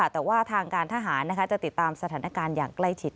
แต่ว่าทางการทหารจะติดตามสถานการณ์อย่างใกล้ชิด